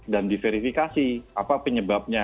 dan diverifikasi apa penyebabnya